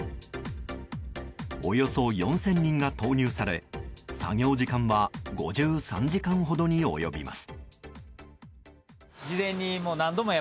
およそ４０００人が投入され作業時間は５３時間ほどに及びます。